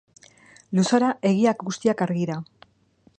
Luzara egiak guziak argira.